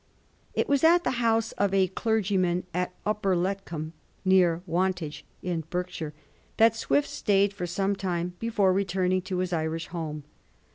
It was at the house of a clergy man at Upper Letcomb, near Wantage, in Berkshire, that Swift stayed for some time before returning to his Irish home.